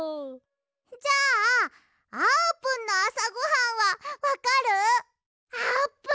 じゃああーぷんのあさごはんはわかる？